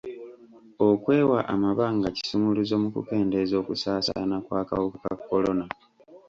Okwewa amabanga kisumuluzo mu kukendeeza okusaasaana kw'akawuka ka kolona.